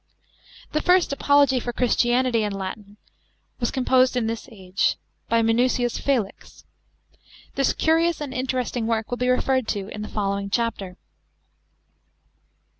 The first apology for Christianity in Latin was composed in this 556 LITERATURE. CHAP. xxix. age, by Miuucius Felix. This curious and interesting work will be referred to in the following chapter.